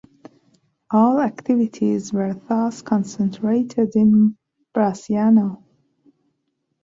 All activities were thus concentrated in Bracciano.